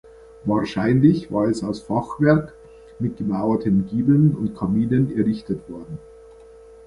Wahrscheinlich war es aus Fachwerk mit gemauerten Giebeln und Kaminen errichtet worden.